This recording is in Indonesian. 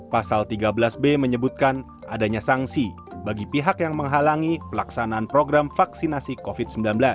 pasal tiga belas b menyebutkan adanya sanksi bagi pihak yang menghalangi pelaksanaan program vaksinasi covid sembilan belas